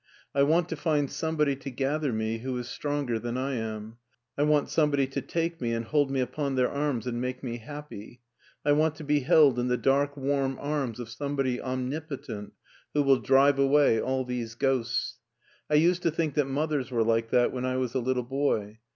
I want to find somebody to gather me who is stronger than I am. I want somebody to take me and hold me upon their arms and make me happy. I want to be held in the dark warm arms of somebody omnipotent, who will drive away all these ghosts. I used to think that mothers were like that when I was a little boy.